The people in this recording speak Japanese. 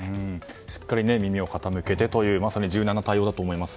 しっかり耳を傾けてというまさに柔軟な対応だと思います。